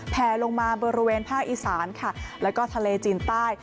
แผลลงมาบริเวณภาคอีสานค่ะแล้วก็ทะเลจีนใต้